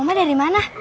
omah dari mana